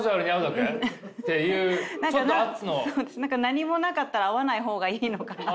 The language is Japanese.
何もなかったら会わない方がいいのかな。